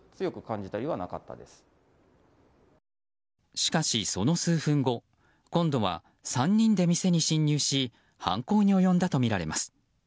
しかし、その数分後今度は３人で店に侵入し犯行に及んだとみられます。